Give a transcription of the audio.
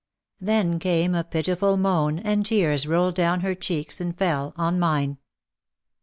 Then came a pitiful moan, and tears rolled down her cheeks and fell on mine.